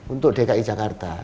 untuk dki jakarta